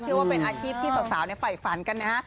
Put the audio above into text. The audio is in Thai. เชื่อว่าเป็นอาชีพที่สาวในฝ่ายฝันกันนะ